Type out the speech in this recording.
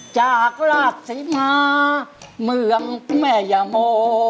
จากราชศรีมาเมืองแม่ยาโม